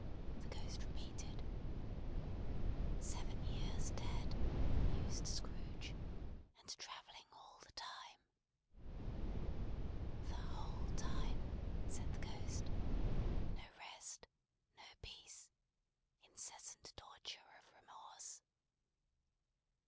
the Ghost repeated. "Seven years dead," mused Scrooge. "And travelling all the time!" "The whole time," said the Ghost. "No rest, no peace. Incessant torture of remorse."